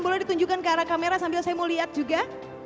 boleh ditunjukkan ke arah kamera sambil saya mau lihat juga